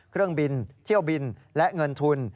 เครื่องบินเที่ยวบินและเงินทุน